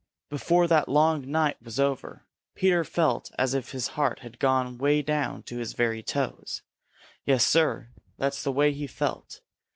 Before that long night was over Peter felt as if his heart had gone way down to his very toes. Yes, Sir, that's the way he felt.